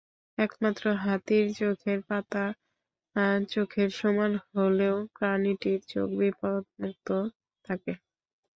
একমাত্র হাতির চোখের পাতা চোখের সমান হলেও প্রাণীটির চোখ বিপদমুক্ত থাকে।